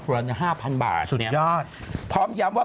ก็ครัวเรือน๕๐๐๐บาทสุดยอดพร้อมย้ำว่า